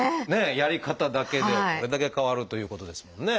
やり方だけでこれだけ変わるということですもんね。